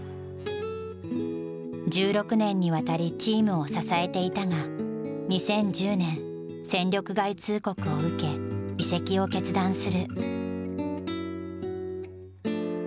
１６年にわたりチームを支えていたが２０１０年戦力外通告を受け移籍を決断する。